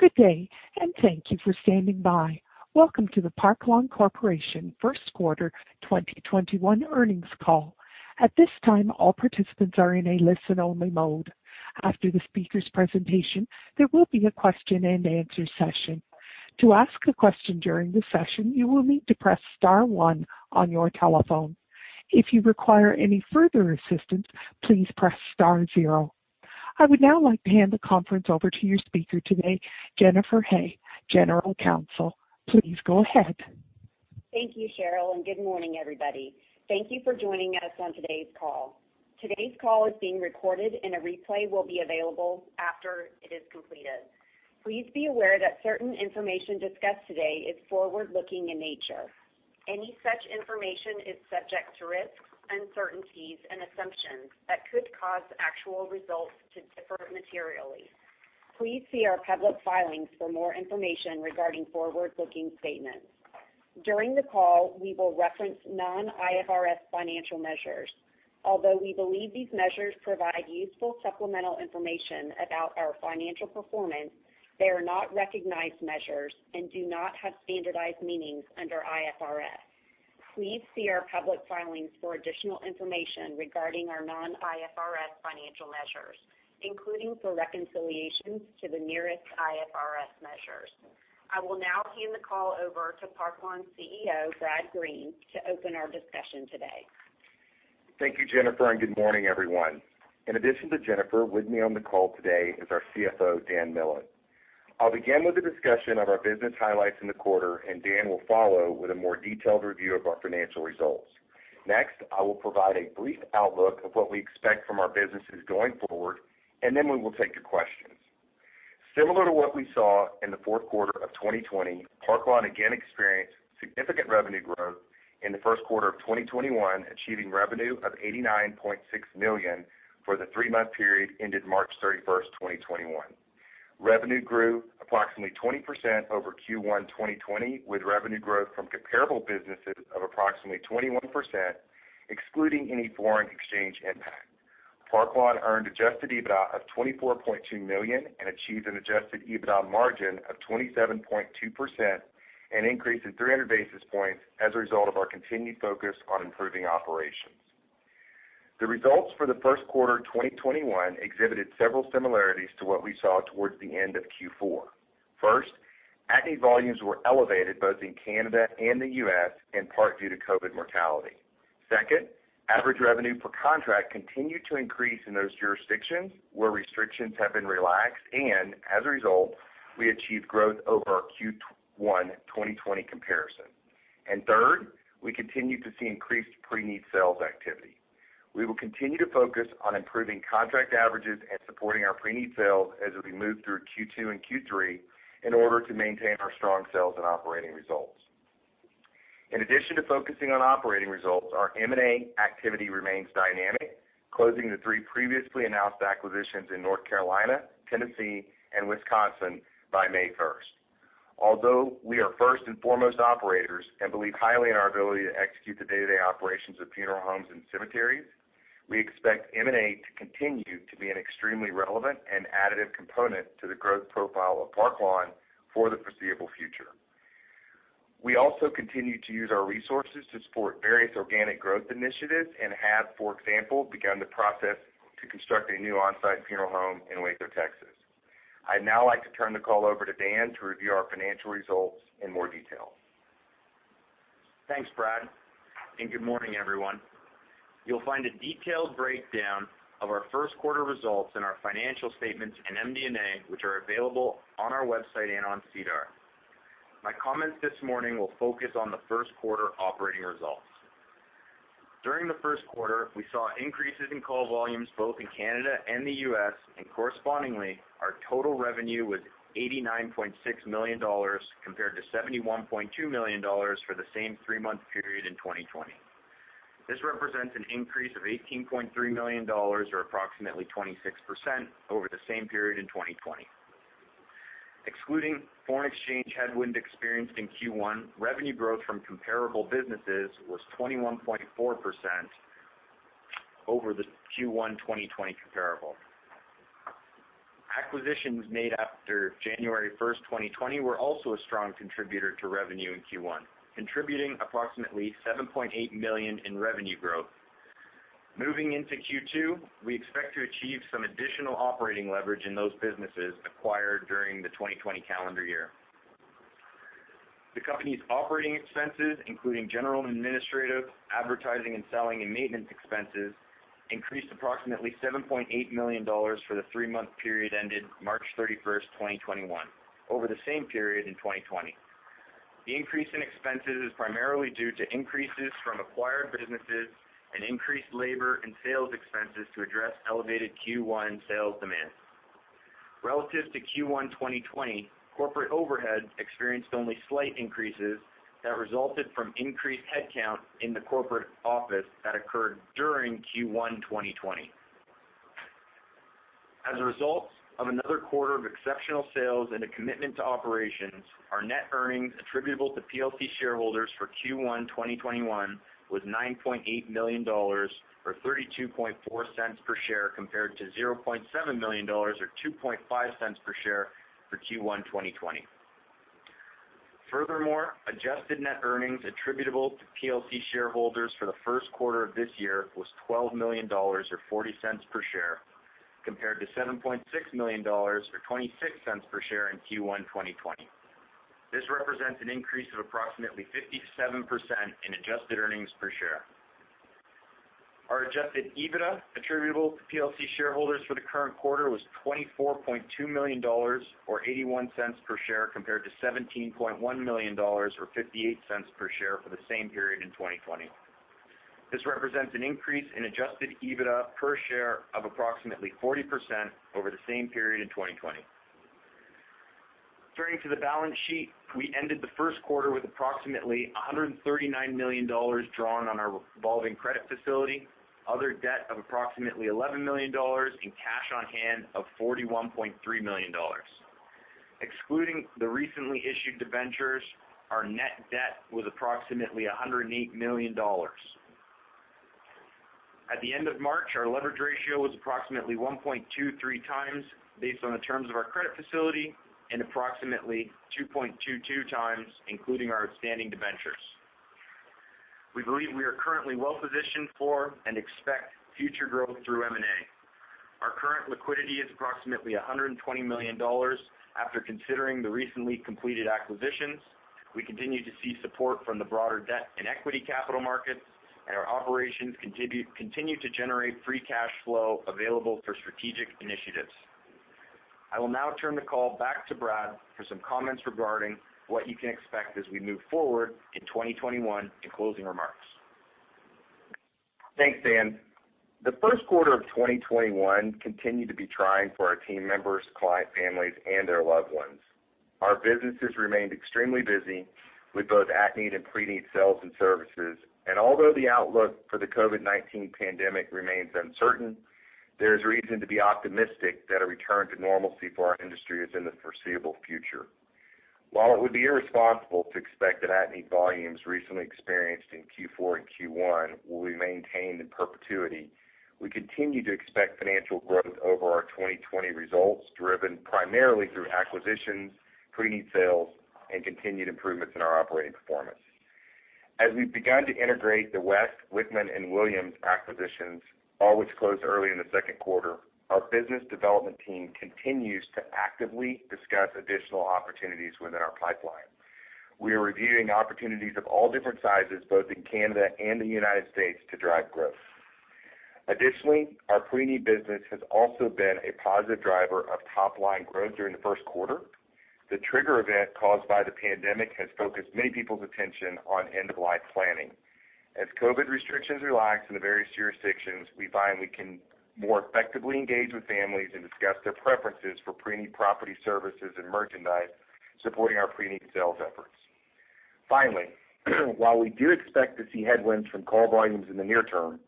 Good day, and thank you for standing by. Welcome to the Park Lawn Corporation first quarter 2021 earnings call. At this time, all participants are in a listen-only mode. After the speaker's presentation, there will be a question-and-answer session. To ask a question during the session, you will need to press star one on your telephone. If you require any further assistance, please press star zero. I would now like to hand the conference over to your speaker today, Jennifer Hay, General Counsel. Please go ahead. Thank you, Cheryl. Good morning, everybody. Thank you for joining us on today's call. Today's call is being recorded, and a replay will be available after it is completed. Please be aware that certain information discussed today is forward-looking in nature. Any such information is subject to risks, uncertainties, and assumptions that could cause actual results to differ materially. Please see our public filings for more information regarding forward-looking statements. During the call, we will reference non-IFRS financial measures. Although we believe these measures provide useful supplemental information about our financial performance, they are not recognized measures and do not have standardized meanings under IFRS. Please see our public filings for additional information regarding our non-IFRS financial measures, including for reconciliations to the nearest IFRS measures. I will now hand the call over to Park Lawn CEO, Brad Green, to open our discussion today. Thank you, Jennifer. Good morning, everyone. In addition to Jennifer, with me on the call today is our CFO, Daniel Millett. I'll begin with a discussion of our business highlights in the quarter. Dan will follow with a more detailed review of our financial results. I will provide a brief outlook of what we expect from our businesses going forward. We will take your questions. Similar to what we saw in the fourth quarter of 2020, Park Lawn again experienced significant revenue growth in the first quarter of 2021, achieving revenue of 89.6 million for the three-month period ended March 31st, 2021. Revenue grew approximately 20% over Q1 2020, with revenue growth from comparable businesses of approximately 21%, excluding any foreign exchange impact. Park Lawn earned adjusted EBITDA of 24.2 million and achieved an adjusted EBITDA margin of 27.2%, an increase of 300 basis points as a result of our continued focus on improving operations. The results for the first quarter of 2021 exhibited several similarities to what we saw towards the end of Q4. First, at-need volumes were elevated both in Canada and the U.S., in part due to COVID-19 mortality. Second, average revenue per contract continued to increase in those jurisdictions where restrictions have been relaxed, and as a result, we achieved growth over our Q1 2020 comparison. Third, we continued to see increased pre-need sales activity. We will continue to focus on improving contract averages and supporting our pre-need sales as we move through Q2 and Q3 in order to maintain our strong sales and operating results. In addition to focusing on operating results, our M&A activity remains dynamic, closing the three previously announced acquisitions in North Carolina, Tennessee, and Wisconsin by May 1st. Although we are first and foremost operators and believe highly in our ability to execute the day-to-day operations of funeral homes and cemeteries, we expect M&A to continue to be an extremely relevant and additive component to the growth profile of Park Lawn for the foreseeable future. We also continue to use our resources to support various organic growth initiatives and have, for example, begun the process to construct a new on-site funeral home in Waco, Texas. I'd now like to turn the call over to Dan to review our financial results in more detail. Thanks, Brad. Good morning, everyone. You'll find a detailed breakdown of our first quarter results in our financial statements and MD&A, which are available on our website and on SEDAR. My comments this morning will focus on the first quarter operating results. During the first quarter, we saw increases in call volumes both in Canada and the U.S. Correspondingly, our total revenue was 89.6 million dollars compared to 71.2 million dollars for the same three-month period in 2020. This represents an increase of 18.3 million dollars, or approximately 26%, over the same period in 2020. Excluding foreign exchange headwind experienced in Q1, revenue growth from comparable businesses was 21.4% over the Q1 2020 comparable. Acquisitions made after January 1st, 2020, were also a strong contributor to revenue in Q1, contributing approximately 7.8 million in revenue growth. Moving into Q2, we expect to achieve some additional operating leverage in those businesses acquired during the 2020 calendar year. The company's operating expenses, including general and administrative, advertising and selling, and maintenance expenses, increased approximately 7.8 million dollars for the three-month period ended March 31, 2021, over the same period in 2020. The increase in expenses is primarily due to increases from acquired businesses and increased labor and sales expenses to address elevated Q1 sales demand. Relative to Q1 2020, corporate overhead experienced only slight increases that resulted from increased headcount in the corporate office that occurred during Q1 2020. As a result of another quarter of exceptional sales and a commitment to operations, our net earnings attributable to PLC shareholders for Q1 2021 was 9.8 million dollars, or 0.324 per share, compared to 0.7 million dollars, or 0.025 per share for Q1 2020. Furthermore, adjusted net earnings attributable to PLC shareholders for the first quarter of this year was 12 million dollars, or 0.40 per share, compared to 7.6 million dollars, or 0.26 per share in Q1 2020. This represents an increase of approximately 57% in adjusted earnings per share. Our adjusted EBITDA attributable to PLC shareholders for the current quarter was 24.2 million dollars, or 0.81 per share, compared to 17.1 million dollars, or 0.58 per share for the same period in 2020. This represents an increase in adjusted EBITDA per share of approximately 40% over the same period in 2020. Turning to the balance sheet, we ended the first quarter with approximately 139 million dollars drawn on our revolving credit facility, other debt of approximately 11 million dollars, and cash on hand of 41.3 million dollars. Excluding the recently issued debentures, our net debt was approximately 108 million dollars. At the end of March, our leverage ratio was approximately 1.23x based on the terms of our credit facility, and approximately 2.22x including our outstanding debentures. We believe we are currently well-positioned for and expect future growth through M&A. Our current liquidity is approximately 120 million dollars after considering the recently completed acquisitions. We continue to see support from the broader debt and equity capital markets, and our operations continue to generate free cash flow available for strategic initiatives. I will now turn the call back to Brad for some comments regarding what you can expect as we move forward in 2021, and closing remarks. Thanks, Dan. The first quarter of 2021 continued to be trying for our team members, client families, and their loved ones. Our businesses remained extremely busy with both at-need and pre-need sales and services. Although the outlook for the COVID-19 pandemic remains uncertain, there is reason to be optimistic that a return to normalcy for our industry is in the foreseeable future. While it would be irresponsible to expect that at-need volumes recently experienced in Q4 and Q1 will be maintained in perpetuity, we continue to expect financial growth over our 2020 results, driven primarily through acquisitions, pre-need sales, and continued improvements in our operating performance. As we've begun to integrate the West, Wichmann, and Williams acquisitions, all which closed early in the second quarter, our business development team continues to actively discuss additional opportunities within our pipeline. We are reviewing opportunities of all different sizes, both in Canada and the U.S., to drive growth. Our pre-need business has also been a positive driver of top-line growth during the first quarter. The trigger event caused by the pandemic has focused many people's attention on end-of-life planning. As COVID restrictions relax in the various jurisdictions, we find we can more effectively engage with families and discuss their preferences for pre-need property services and merchandise, supporting our pre-need sales efforts. While we do expect to see headwinds from call volumes in the near term,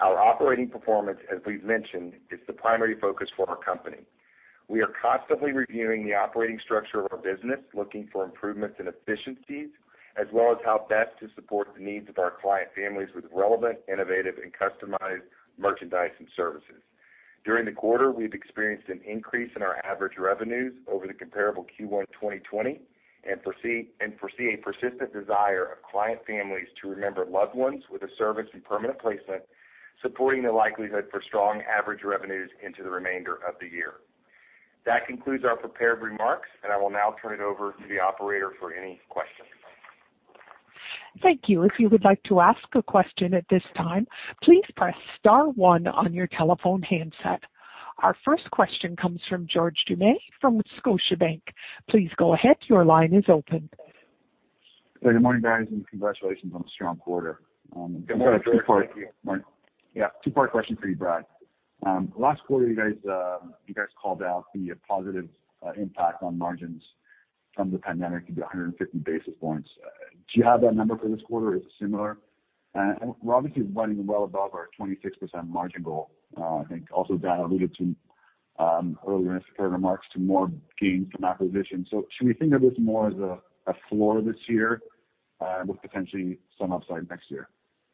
our operating performance, as we've mentioned, is the primary focus for our company. We are constantly reviewing the operating structure of our business, looking for improvements in efficiencies, as well as how best to support the needs of our client families with relevant, innovative, and customized merchandise and services. During the quarter, we've experienced an increase in our average revenues over the comparable Q1 2020, and foresee a persistent desire of client families to remember loved ones with a service and permanent placement, supporting the likelihood for strong average revenues into the remainder of the year. That concludes our prepared remarks, and I will now turn it over to the operator for any questions. Thank you. If you would like to ask a question at this time, please press star one on your telephone handset. Our first question comes from George Doumet from Scotiabank. Please go ahead. Your line is open. Good morning, guys. Congratulations on a strong quarter. Good morning, George. Thank you. Yeah. Two-part question for you, Brad. Last quarter, you guys called out the positive impact on margins from the pandemic to be 150 basis points. Do you have that number for this quarter? Is it similar? We're obviously running well above our 26% margin goal. I think also Dan alluded to earlier in his prepared remarks to more gains from acquisition. Should we think of this more as a floor this year, with potentially some upside next year?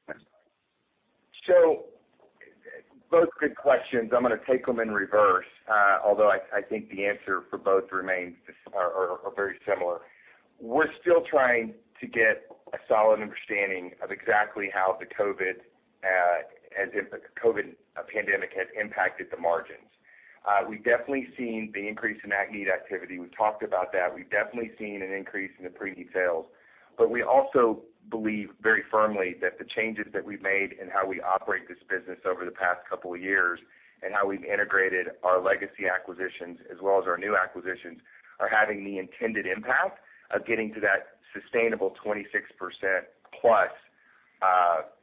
Thanks. Both good questions. I'm going to take them in reverse, although I think the answer for both remains or are very similar. We're still trying to get a solid understanding of exactly how the COVID pandemic has impacted the margins. We've definitely seen the increase in at-need activity. We've talked about that. We've definitely seen an increase in the pre-need sales. We also believe very firmly that the changes that we've made in how we operate this business over the past couple of years and how we've integrated our legacy acquisitions as well as our new acquisitions are having the intended impact of getting to that sustainable 26%+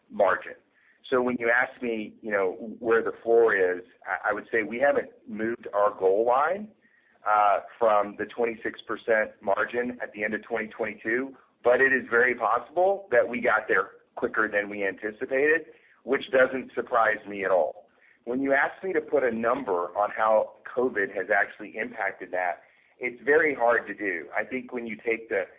margin. When you ask me where the floor is, I would say we haven't moved our goal line from the 26% margin at the end of 2022, but it is very possible that we got there quicker than we anticipated, which doesn't surprise me at all. When you ask me to put a number on how COVID has actually impacted that, it's very hard to do. I think you said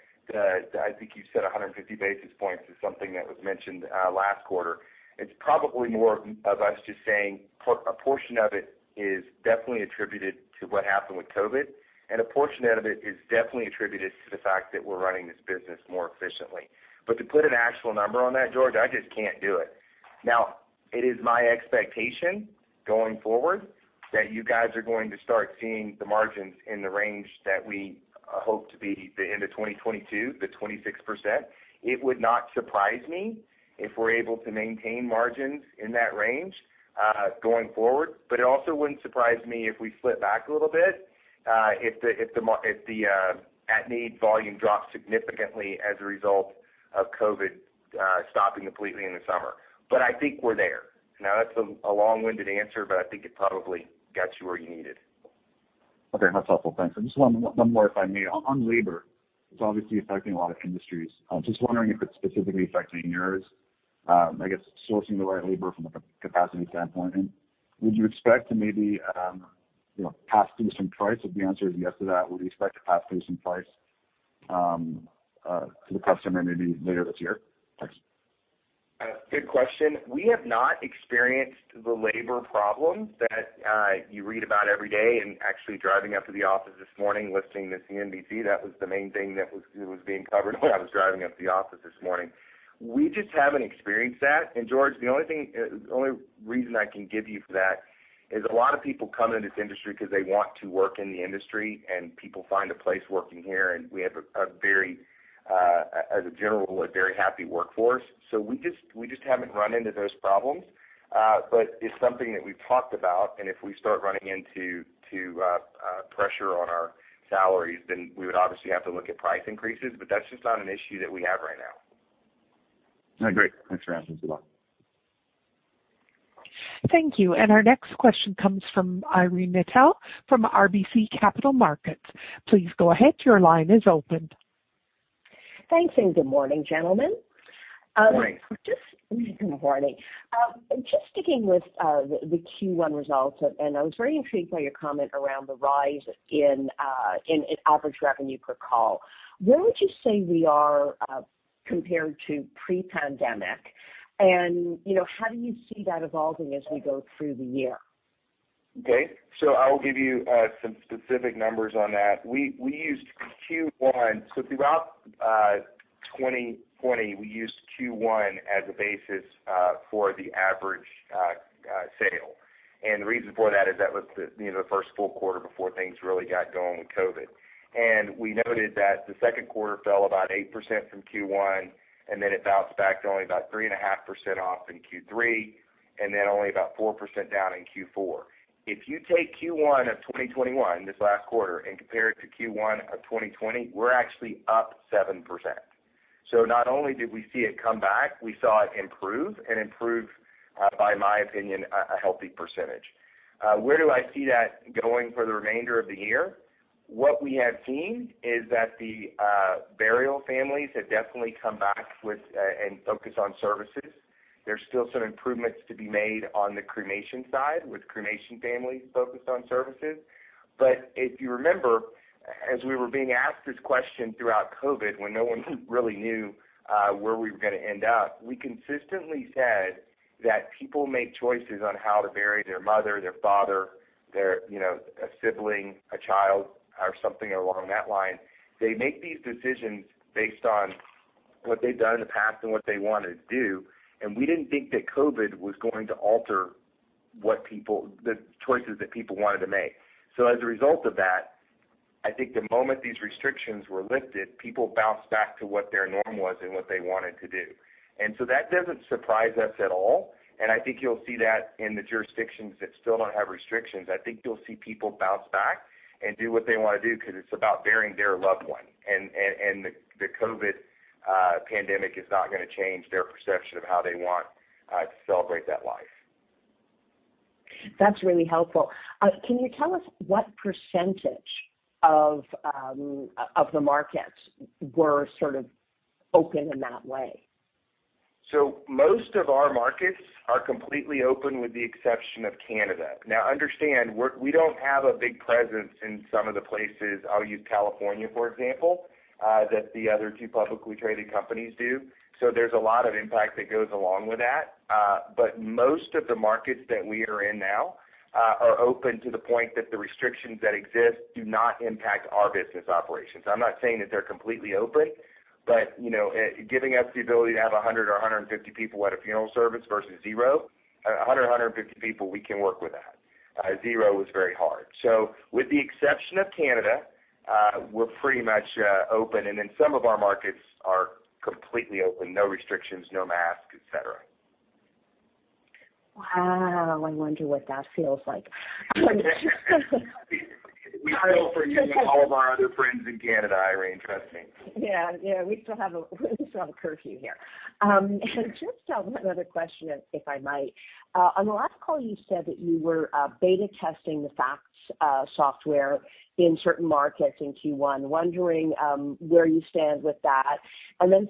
150 basis points is something that was mentioned last quarter. It's probably more of us just saying a portion of it is definitely attributed to what happened with COVID, and a portion out of it is definitely attributed to the fact that we're running this business more efficiently. To put an actual number on that, George, I just can't do it. It is my expectation going forward that you guys are going to start seeing the margins in the range that we hope to be the end of 2022, the 26%. It would not surprise me if we're able to maintain margins in that range, going forward. It also wouldn't surprise me if we slip back a little bit, if the at-need volume drops significantly as a result of COVID-19 stopping completely in the summer. I think we're there. That's a long-winded answer, but I think it probably got you where you needed. Okay. That's helpful. Thanks. Just one more if I may. On labor, it's obviously affecting a lot of industries. Just wondering if it's specifically affecting yours, I guess sourcing the right labor from a capacity standpoint. Would you expect to maybe pass through some price? If the answer is yes to that, would we expect to pass through some price to the customer maybe later this year? Thanks. Good question. We have not experienced the labor problems that you read about every day, and actually driving up to the office this morning listening to CNBC, that was the main thing that was being covered while I was driving up to the office this morning. We just haven't experienced that. George, the only reason I can give you for that is a lot of people come into this industry because they want to work in the industry, and people find a place working here, and we have, as a general rule, a very happy workforce. We just haven't run into those problems. It's something that we've talked about, and if we start running into pressure on our salaries, then we would obviously have to look at price increases, but that's just not an issue that we have right now. Great. Thanks for answering. Good luck. Thank you. Our next question comes from Irene Nattel from RBC Capital Markets. Please go ahead. Your line is open. Thanks, and good morning, gentlemen. Morning. Good morning. Just sticking with the Q1 results. I was very intrigued by your comment around the rise in average revenue per contract. Where would you say we are, compared to pre-pandemic, and how do you see that evolving as we go through the year? I will give you some specific numbers on that. Throughout 2020, we used Q1 as a basis for the average sale. The reason for that is that was the first full quarter before things really got going with COVID-19. We noted that the second quarter fell about 8% from Q1, then it bounced back to only about 3.5% off in Q3, then only about 4% down in Q4. If you take Q1 of 2021, this last quarter, and compare it to Q1 of 2020, we're actually up 7%. Not only did we see it come back, we saw it improve, by my opinion, a healthy percentage. Where do I see that going for the remainder of the year? What we have seen is that the burial families have definitely come back and focused on services. There is still some improvements to be made on the cremation side with cremation families focused on services. If you remember, as we were being asked this question throughout COVID-19, when no one really knew where we were going to end up, we consistently said that people make choices on how to bury their mother, their father, a sibling, a child, or something along that line. They make these decisions based on what they have done in the past and what they want to do, and we did not think that COVID-19 was going to alter the choices that people wanted to make. As a result of that, I think the moment these restrictions were lifted, people bounced back to what their norm was and what they wanted to do. That doesn't surprise us at all, and I think you'll see that in the jurisdictions that still don't have restrictions. I think you'll see people bounce back and do what they want to do because it's about burying their loved one. The COVID-19 pandemic is not going to change their perception of how they want to celebrate that life. That's really helpful. Can you tell us what percentage of the markets were sort of open in that way? Most of our markets are completely open with the exception of Canada. Understand, we don't have a big presence in some of the places, I'll use California, for example, that the other two publicly traded companies do. There's a lot of impact that goes along with that. Most of the markets that we are in now are open to the point that the restrictions that exist do not impact our business operations. I'm not saying that they're completely open, but giving us the ability to have 100 or 150 people at a funeral service versus zero. 100, 150 people, we can work with that. Zero is very hard. With the exception of Canada, we're pretty much open. Some of our markets are completely open, no restrictions, no mask, et cetera. Wow. I wonder what that feels like? We pray for you and all of our other friends in Canada, Irene. Trust me. Yeah. We still have a curfew here. Just one other question, if I might. On the last call, you said that you were beta testing the FACS software in certain markets in Q1, wondering where you stand with that.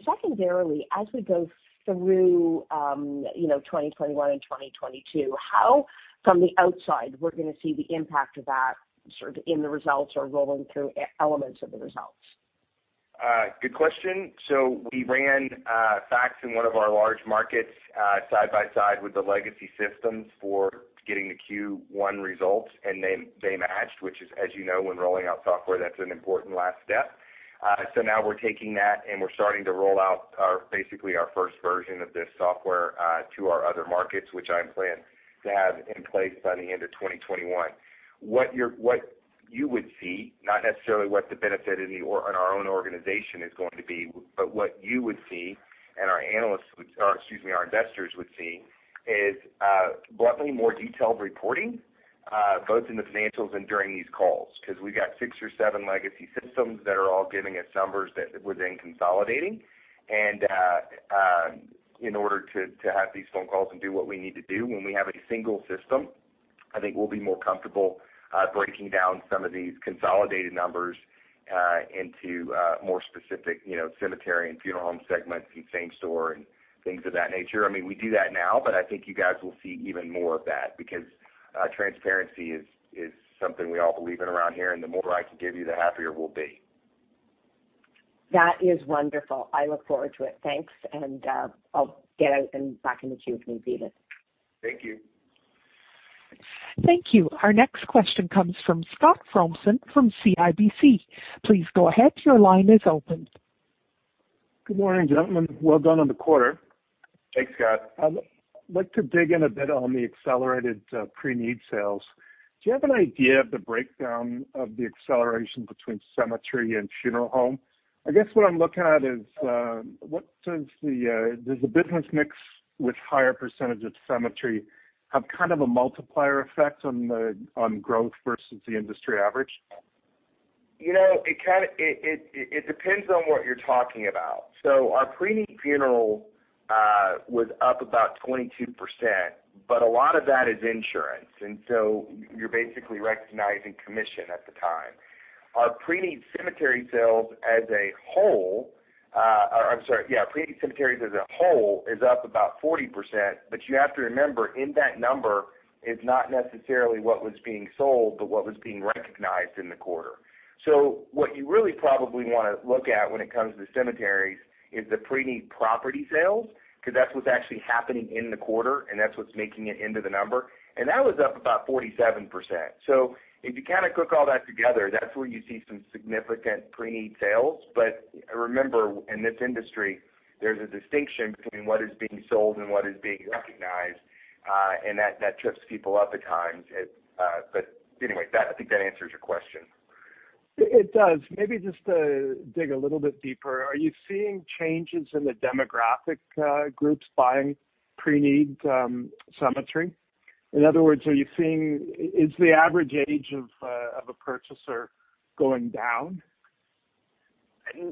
Secondarily, as we go through 2021 and 2022, how, from the outside, we're going to see the impact of that sort of in the results or rolling through elements of the results? Good question. We ran FACS in one of our large markets, side by side with the legacy systems for getting the Q1 results, and they matched, which is, you know, when rolling out software, that's an important last step. Now we're taking that and we're starting to roll out basically our first version of this software to our other markets, which I plan to have in place by the end of 2021. What you would see, not necessarily what the benefit in our own organization is going to be, but what you would see and our investors would see is bluntly more detailed reporting, both in the financials and during these calls. We've got six or seven legacy systems that are all giving us numbers that we're then consolidating, and in order to have these phone calls and do what we need to do when we have a single system, I think we'll be more comfortable breaking down some of these consolidated numbers into more specific cemetery and funeral home segments and same-store and things of that nature. We do that now, but I think you guys will see even more of that because transparency is something we all believe in around here, and the more I can give you, the happier we'll be. That is wonderful. I look forward to it. Thanks. I'll get out and back in the queue if need be then. Thank you. Thank you. Our next question comes from Scott Fromson from CIBC. Please go ahead. Your line is open. Good morning, gentlemen. Well done on the quarter. Thanks, Scott. I'd like to dig in a bit on the accelerated pre-need sales. Do you have an idea of the breakdown of the acceleration between cemetery and funeral home? I guess what I'm looking at is, does the business mix with higher percentage of cemetery have kind of a multiplier effect on growth versus the industry average? It depends on what you're talking about. Our pre-need funeral was up about 22%, but a lot of that is insurance, and so you're basically recognizing commission at the time. Our pre-need cemetery sales as a whole. I'm sorry, yeah, pre-need cemeteries as a whole is up about 40%, you have to remember in that number is not necessarily what was being sold, but what was being recognized in the quarter. What you really probably want to look at when it comes to cemeteries is the pre-need property sales, because that's what's actually happening in the quarter, and that's what's making it into the number, and that was up about 47%. If you cook all that together, that's where you see some significant pre-need sales. Remember, in this industry, there's a distinction between what is being sold and what is being recognized, and that trips people up at times. Anyway, I think that answers your question. It does. Maybe just to dig a little bit deeper, are you seeing changes in the demographic groups buying pre-need cemetery? In other words, is the average age of a purchaser going down?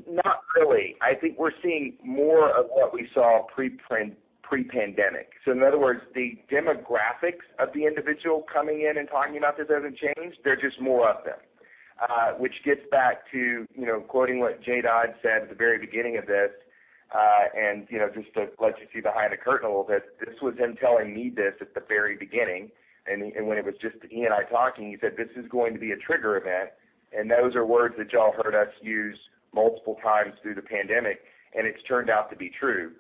Not really. I think we're seeing more of what we saw pre-pandemic. In other words, the demographics of the individual coming in and talking about this hasn't changed. There are just more of them, which gets back to quoting what Jay Dodds said at the very beginning of this, and just to let you see behind the curtain a little bit, this was him telling me this at the very beginning, and when it was just he and I talking, he said, "This is going to be a trigger event." Those are words that y'all heard us use multiple times through the pandemic, and it's turned out to be true.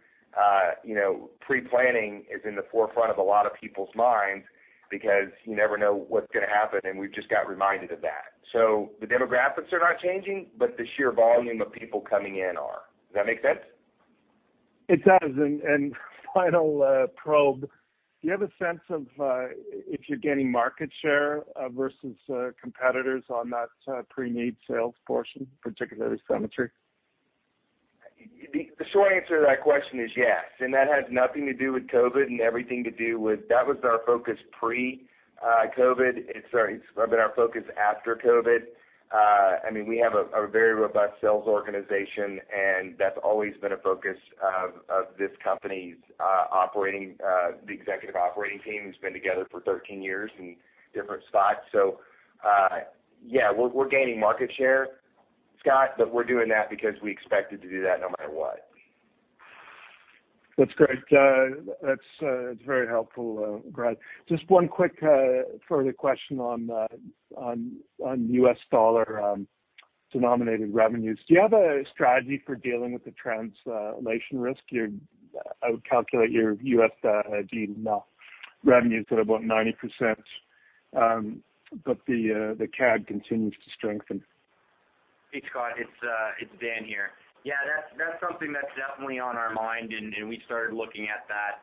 Pre-planning is in the forefront of a lot of people's minds because you never know what's going to happen, and we've just got reminded of that. The demographics are not changing, but the sheer volume of people coming in are. Does that make sense? It does. Final probe, do you have a sense of if you're gaining market share versus competitors on that pre-need sales portion, particularly cemetery? The short answer to that question is yes. That has nothing to do with COVID and everything to do with that was our focus pre-COVID. It's been our focus after COVID. We have a very robust sales organization, and that's always been a focus of this company's executive operating team who's been together for 13 years in different spots. Yeah, we're gaining market share, Scott, but we're doing that because we expected to do that no matter what. That's great. That's very helpful, Brad. Just one quick further question on U.S. dollar-denominated revenues. Do you have a strategy for dealing with the translation risk? I would calculate your U.S. revenues at about 90%, but the CAD continues to strengthen. Hey, Scott, it's Dan here. Yeah, that's something that's definitely on our mind, and we started looking at that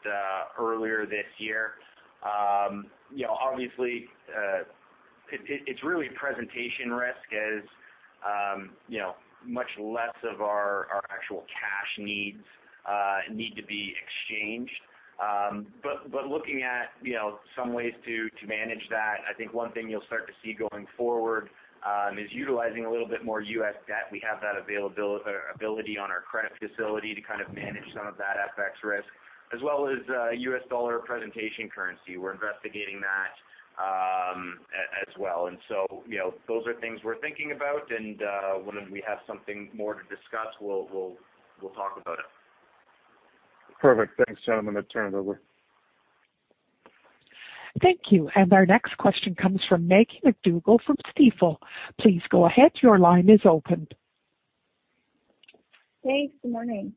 earlier this year. Obviously, it's really a presentation risk as much less of our actual cash needs need to be exchanged. Looking at some ways to manage that, I think one thing you'll start to see going forward, is utilizing a little bit more U.S. debt. We have that ability on our credit facility to manage some of that FX risk, as well as U.S. dollar presentation currency. We're investigating that as well. Those are things we're thinking about, and when we have something more to discuss, we'll talk about it. Perfect. Thanks, gentlemen. I turn it over. Thank you. Our next question comes from Maggie MacDougall from Stifel. Please go ahead. Your line is open. Thanks. Good morning.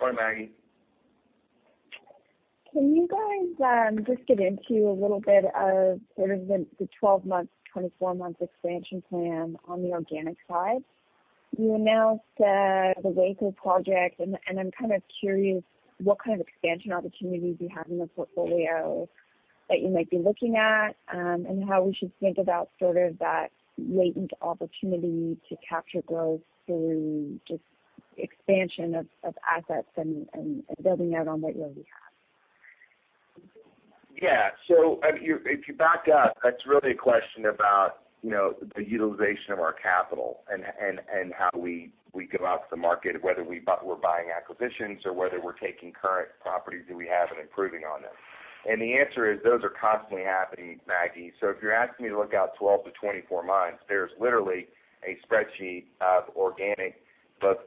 Hi, Maggie. Can you guys just get into a little bit of sort of the 12-month, 24-month expansion plan on the organic side? I'm kind of curious what kind of expansion opportunities you have in the portfolio that you might be looking at, and how we should think about sort of that latent opportunity to capture growth through just expansion of assets and building out on what you already have. If you back up, that's really a question about the utilization of our capital and how we go out to the market, whether we're buying acquisitions or whether we're taking current properties that we have and improving on them. The answer is, those are constantly happening, Maggie. If you're asking me to look out 12 to 24 months, there's literally a spreadsheet of organic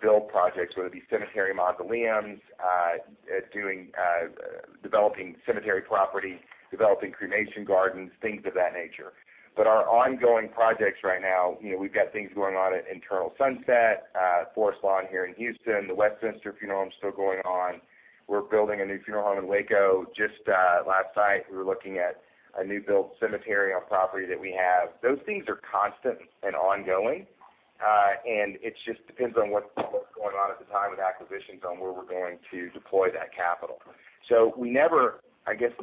build projects, whether it be cemetery mausoleums, developing cemetery property, developing cremation gardens, things of that nature. Our ongoing projects right now, we've got things going on at Eternal Sunset, Forest Lawn here in Houston, the Westminster Funeral Home's still going on. We're building a new funeral home in Waco. Just last night, we were looking at a new build cemetery on property that we have. Those things are constant and ongoing. It just depends on what's going on at the time with acquisitions on where we're going to deploy that capital. I guess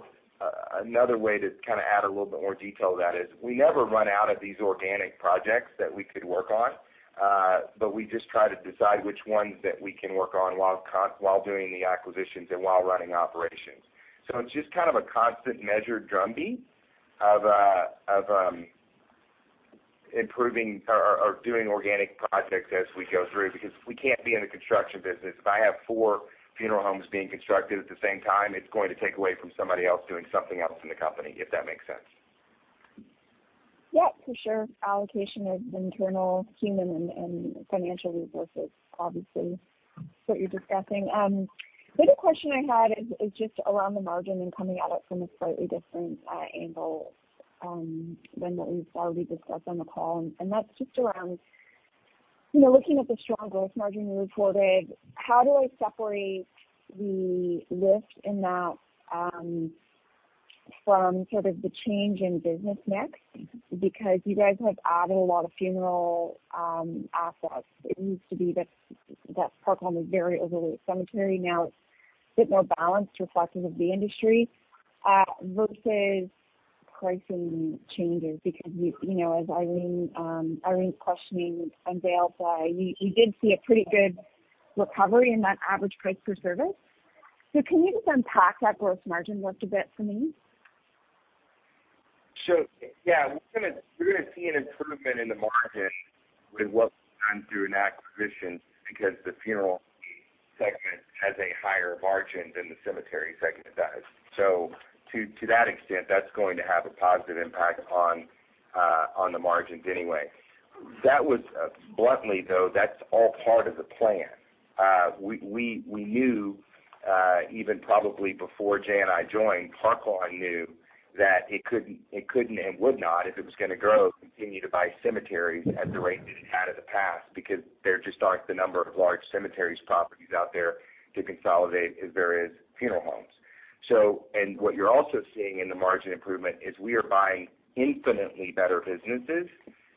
another way to kind of add a little bit more detail to that is we never run out of these organic projects that we could work on. We just try to decide which ones that we can work on while doing the acquisitions and while running operations. It's just kind of a constant measured drumbeat of improving or doing organic projects as we go through because we can't be in the construction business. If I have four funeral homes being constructed at the same time, it's going to take away from somebody else doing something else in the company, if that makes sense. Yeah, for sure. Allocation of internal human and financial resources, obviously is what you're discussing. The other question I had is just around the margin and coming at it from a slightly different angle than what we've already discussed on the call, and that's just around looking at the strong gross margin you reported, how do I separate the lift in that from sort of the change in business mix? You guys have added a lot of funeral assets. It used to be that Park Lawn was very overly cemetery. Now it's a bit more balanced, reflective of the industry, versus pricing changes because as Irene questioning unveiled by, you did see a pretty good recovery in that average revenue per contract. Can you just unpack that gross margin just a bit for me? Yeah, we're going to see an improvement in the margin with what we've done through an acquisition because the funeral segment has a higher margin than the cemetery segment does. To that extent, that's going to have a positive impact on the margins anyway. Bluntly, though, that's all part of the plan. We knew, even probably before Jay and I joined, Park Lawn knew that it couldn't and would not, if it was going to grow, continue to buy cemeteries at the rate that it had in the past, because there just aren't the number of large cemeteries properties out there to consolidate as there is funeral homes. What you're also seeing in the margin improvement is we are buying infinitely better businesses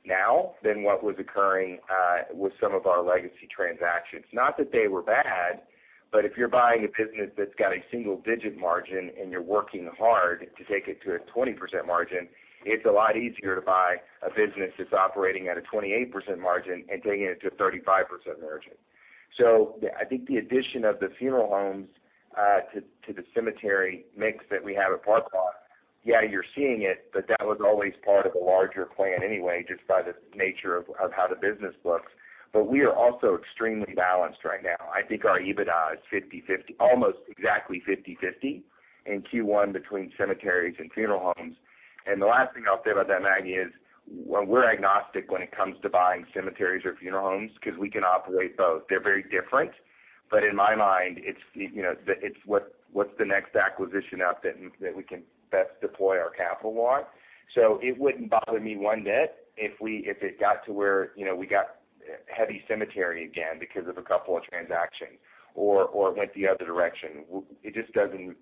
now than what was occurring with some of our legacy transactions. Not that they were bad, but if you're buying a business that's got a single-digit margin and you're working hard to take it to a 20% margin, it's a lot easier to buy a business that's operating at a 28% margin and taking it to a 35% margin. I think the addition of the funeral homes to the cemetery mix that we have at Park Lawn, yeah, you're seeing it, but that was always part of a larger plan anyway, just by the nature of how the business looks. We are also extremely balanced right now. I think our EBITDA is 50/50, almost exactly 50/50 in Q1 between cemeteries and funeral homes. The last thing I'll say about that, Maggie, is we're agnostic when it comes to buying cemeteries or funeral homes because we can operate both. They're very different. In my mind, it's what's the next acquisition out that we can best deploy our capital on? It wouldn't bother me one bit if it got to where we got heavy cemetery again because of a couple of transactions or went the other direction. It just doesn't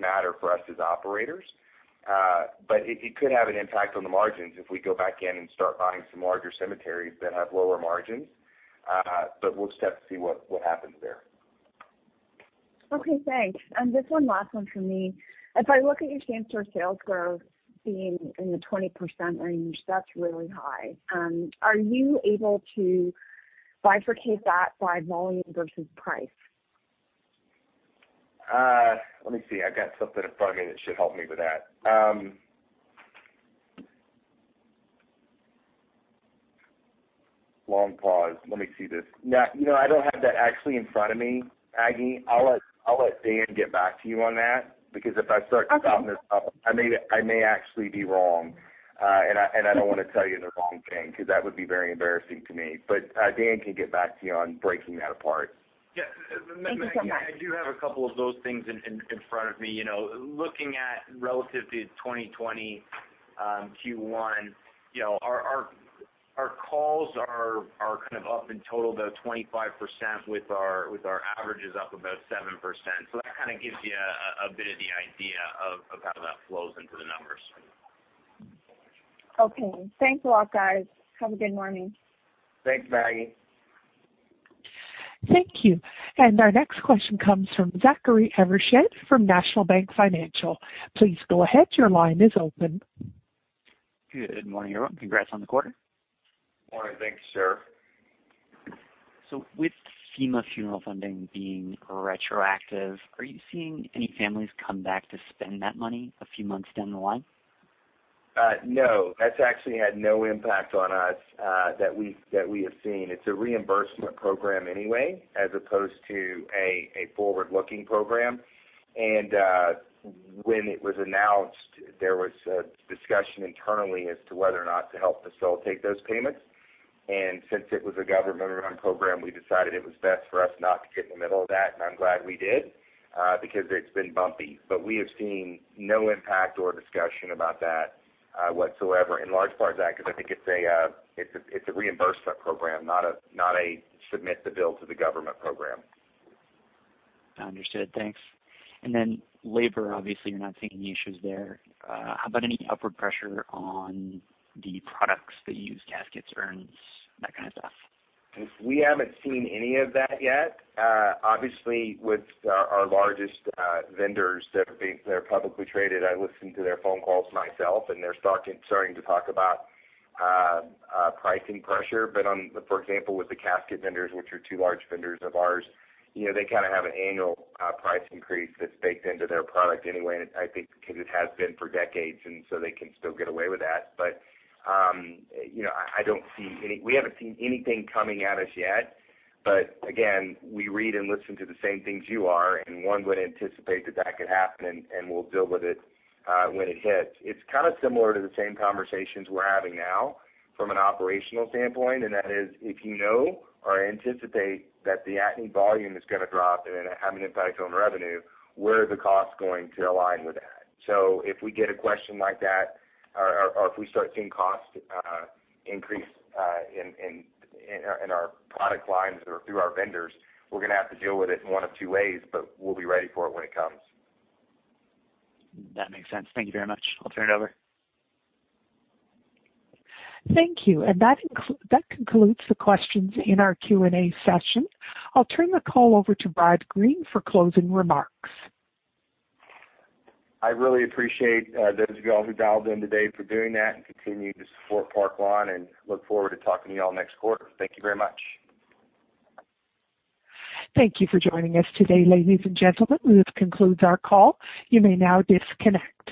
matter for us as operators. It could have an impact on the margins if we go back in and start buying some larger cemeteries that have lower margins. We'll just have to see what happens there. Okay, thanks. Just one last one from me. If I look at your same-store sales growth being in the 20% range, that's really high. Are you able to bifurcate that by volume versus price? Let me see. I got something up front here that should help me with that. Let me see this. I don't have that actually in front of me, Maggie. I'll let Dan get back to you on that, because if I start. Okay Spouting this off, I may actually be wrong, and I don't want to tell you the wrong thing, because that would be very embarrassing to me. Dan can get back to you on breaking that apart. Thank you so much. Maggie, I do have a couple of those things in front of me. Looking at relative to 2020 Q1, our calls are kind of up in total about 25% with our averages up about 7%. That kind of gives you a bit of the idea of how that flows into the numbers. Okay. Thanks a lot, guys. Have a good morning. Thanks, Maggie. Thank you. Our next question comes from Zachary Evershed from National Bank Financial. Please go ahead. Your line is open. Good morning, everyone. Congrats on the quarter. Morning. Thanks, sir. With FEMA funeral funding being retroactive, are you seeing any families come back to spend that money a few months down the line? That's actually had no impact on us that we have seen. It's a reimbursement program anyway, as opposed to a forward-looking program. When it was announced, there was a discussion internally as to whether or not to help facilitate those payments. Since it was a government-run program, we decided it was best for us not to get in the middle of that, and I'm glad we did, because it's been bumpy. We have seen no impact or discussion about that whatsoever. In large part, Zach, because I think it's a reimbursement program, not a submit the bill to the government program. Understood. Thanks. Labor, obviously, you're not seeing any issues there. How about any upward pressure on the products that you use, caskets or urns, that kind of stuff? We haven't seen any of that yet. Obviously, with our largest vendors that are publicly traded, I listen to their phone calls myself, and they're starting to talk about pricing pressure. For example, with the casket vendors, which are two large vendors of ours, they kind of have an annual price increase that's baked into their product anyway, I think because it has been for decades, and so they can still get away with that. We haven't seen anything coming at us yet. Again, we read and listen to the same things you are, and one would anticipate that that could happen, and we'll deal with it when it hits. It's kind of similar to the same conversations we're having now from an operational standpoint. That is, if you know or anticipate that the at-need volume is going to drop and have an impact on revenue, where are the costs going to align with that? If we get a question like that, or if we start seeing cost increase in our product lines or through our vendors, we're going to have to deal with it in one of two ways. We'll be ready for it when it comes. That makes sense. Thank you very much. I'll turn it over. Thank you. That concludes the questions in our Q&A session. I'll turn the call over to J. Bradley Green for closing remarks. I really appreciate those of you all who dialed in today for doing that, and continue to support Park Lawn, and look forward to talking to you all next quarter. Thank you very much. Thank you for joining us today, ladies and gentlemen. This concludes our call. You may now disconnect.